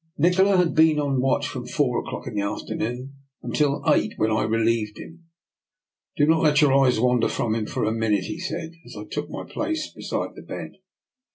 Nikola had been on watch from four o'clock in the afternoon until eight, when I relieved him. " Do not let your eyes wander from him for a minute," he said, as I took my place be side the bed.